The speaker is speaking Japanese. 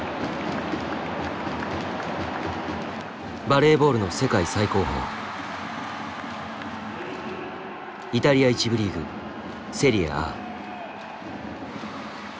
バレーボールの世界最高峰イタリア１部リーグセリエＡ。